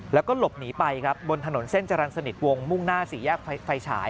แล้วก็หลบหนีไปครับบนถนนเส้นจรรย์สนิทวงมุ่งหน้าสี่แยกไฟฉาย